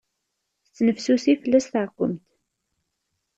Tettnefsusi fell-as tɛekkemt.